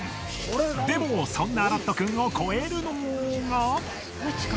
でもそんなアラットくんを超えるのが。